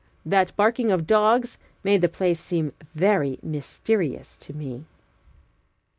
That barking of dogs made the place seem very mysterious to me.